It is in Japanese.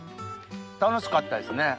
楽しかったですね。